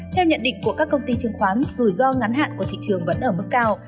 theo nhận định của các công ty chứng khoán rủi ro ngắn hạn của thị trường vẫn ở mức cao